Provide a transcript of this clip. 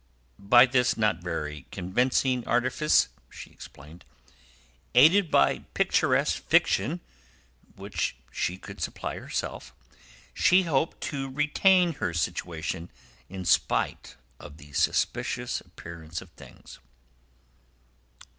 By this not very convincing artifice, she explained, aided by picturesque fiction which she could supply herself, she hoped to retain her situation, in spite of the suspicious appearance of things.